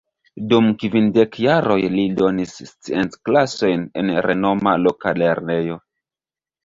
Dum kvindek jaroj li donis scienc-klasojn en renoma loka lernejo.